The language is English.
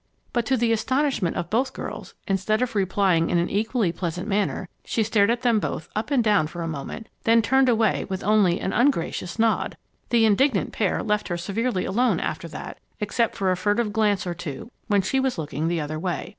But, to the astonishment of both girls, instead of replying in an equally pleasant manner, she stared at them both up and down for a moment, then turned away with only an ungracious nod. The indignant pair left her severely alone after that, except for a furtive glance or two when she was looking the other way.